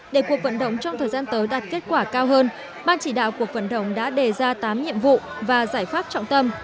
để cuộc vận động trong thời gian tới đạt kết quả cao hơn ban chỉ đạo cuộc vận động đã đề ra tám nhiệm vụ và giải pháp trọng tâm